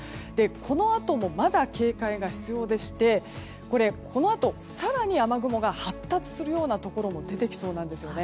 このあともまだ警戒が必要でしてこのあと更に雨雲が発達するようなところも出てきそうです。